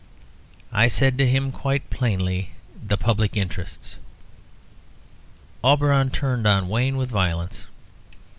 "I said to him quite plainly the public interests " Auberon turned on Wayne with violence.